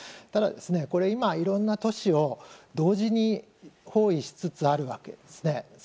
ただ、今いろんな都市を同時に包囲しつつあるわけです。